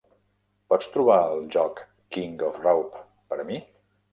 Pots trobar el joc King of Raop per a mi?